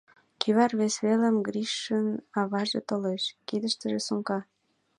Кӱвар вес велым Гришын аваже толеш, кидыштыже сумка.